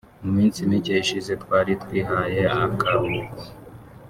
“Mu minsi mike ishize twari twihaye akaruhuko